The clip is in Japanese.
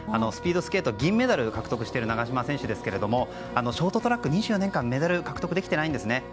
スピードスケートでは銀メダルを獲得している長島選手ですがショートトラックは２４年間メダル獲得できていないんですね。